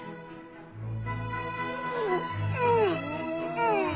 うん！